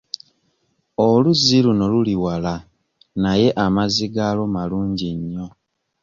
Oluzzi luno luli wala naye amazzi gaalwo malungi nnyo.